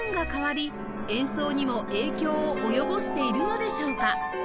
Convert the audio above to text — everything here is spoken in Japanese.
演奏にも影響を及ぼしているのでしょうか？